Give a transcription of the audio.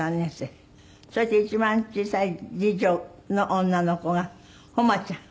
それで一番小さい次女の女の子が誉ちゃん。